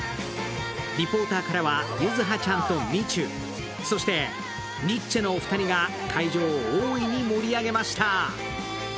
リポーターからは柚葉ちゃんとみちゅ、そしてニッチェのお二人が会場を大いに盛り上げました。